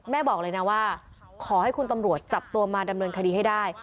บอกเลยนะว่าขอให้คุณตำรวจจับตัวมาดำเนินคดีให้ได้